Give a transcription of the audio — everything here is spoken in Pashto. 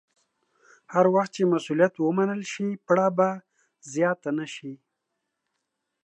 هر وخت چې مسوولیت ومنل شي، پړه به زیاته نه شي.